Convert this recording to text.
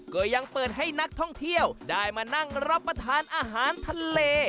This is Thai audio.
ก็ยังเปิดให้นักท่องเที่ยวได้มานั่งรับประทานอาหารทะเล